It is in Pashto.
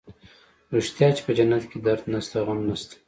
رښتيا چې په جنت کښې درد نسته غم نسته.